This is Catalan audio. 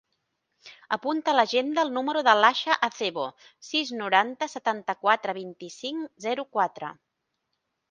Apunta a l'agenda el número de l'Aixa Acebo: sis, noranta, setanta-quatre, vint-i-cinc, zero, quatre.